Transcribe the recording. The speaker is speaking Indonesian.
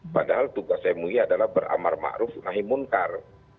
padahal tugas mui adalah beramar ma'ruf nahi munkar